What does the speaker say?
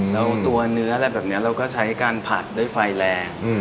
แล้วตัวเนื้ออะไรแบบนี้เราก็ใช้การผัดด้วยไฟแรง